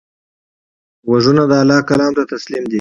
غوږونه د الله کلام ته تسلیم دي